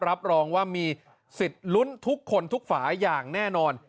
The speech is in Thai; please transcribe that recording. รับรองว่ามีสิทธิ์ลุ้นทุกคนทุกฝาอย่างแน่นอน